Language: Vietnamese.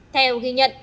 theo ghi nhận